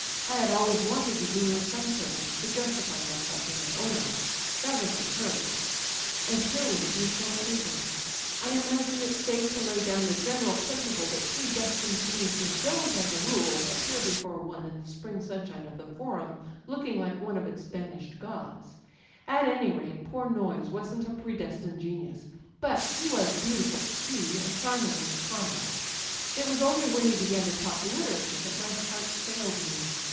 I had always wanted to do her some service, to justify myself in my own eyes rather than hers; and here was a beautiful occasion. " I imagine it's safe to lay down the general principle that predestined geniuses don't, as a rule, appear be fore one in the spring sunshine of the Forum looking like one of its banished gods. At any rate, poor Noyes wasn't a predestined genius. But he wa^ beautiful to se^, and charming as a comrade. It was only when he began to talk literature that my heart failed me.